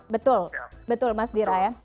betul betul mas dira ya